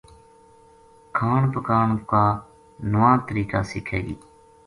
کھان پکان کا نُوا طریقہ سِکھے گی